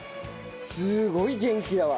すごい元気だわ！